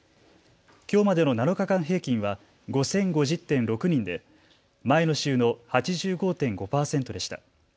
きょうまでの７日間平均は５０５０．６人で前の週の８５．５％でした。